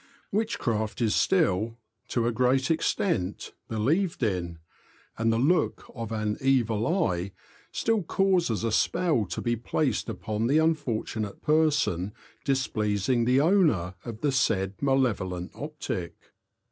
Witchcraft is still, to a great extent, believed in, and the look of an " evil eye " still causes a spell to be placed upon the unfortunate person displeasing the owner of the said malevolent optic.